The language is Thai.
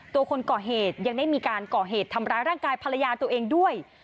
คนก่อเหตุยังได้มีการก่อเหตุทำร้ายร่างกายภรรยาตัวเองด้วย